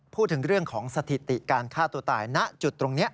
พูดถึงเรื่องของสถิติการฆ่าตัวตายณจุดตรงนี้